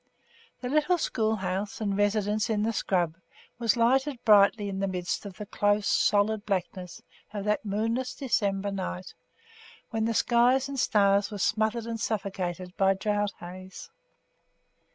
The little schoolhouse and residence in the scrub was lighted brightly in the midst of the 'close', solid blackness of that moonless December night, when the sky and stars were smothered and suffocated by drought haze.